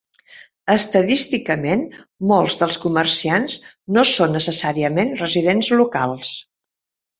Estadísticament, molts dels comerciants no són necessàriament residents locals.